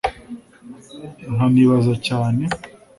nkanibaza cyane